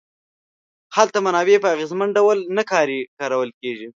هلته منابع په اغېزمن ډول نه کارول کیږي.